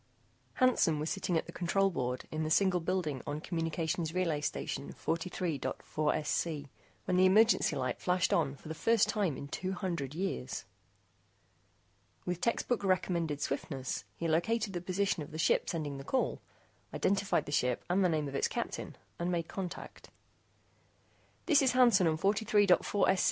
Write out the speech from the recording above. ] Hansen was sitting at the control board in the single building on Communications Relay Station 43.4SC, when the emergency light flashed on for the first time in two hundred years. With textbook recommended swiftness, he located the position of the ship sending the call, identified the ship and the name of its captain, and made contact. "This is Hansen on 43.4SC.